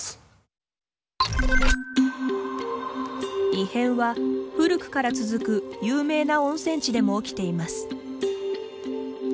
異変は古くから続く有名な温泉地でも起きています。